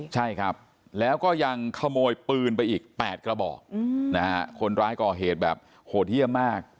ใช่ครับแล้วก็ยังขโมยปืนไปอีก๘กระบอกนะฮะคนร้ายก่อเหตุแบบโหดเยี่ยมมาก